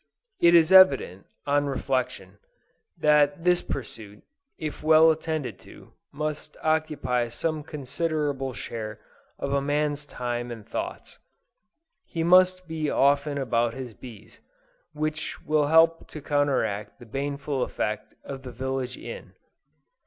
It is evident, on reflection, that this pursuit, if well attended to, must occupy some considerable share of a man's time and thoughts. He must be often about his bees, which will help to counteract the baneful effect of the village inn.